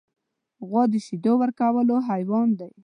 غوا د شیدو ورکولو حیوان دی.